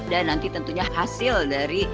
dan nanti tentunya hasil dari